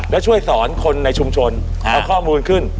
แล้วช่วยสอนคนในชุมชนเอาข้อมูลขึ้น